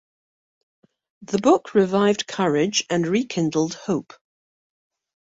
The book revived courage and rekindled hope.